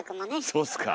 そうっすか？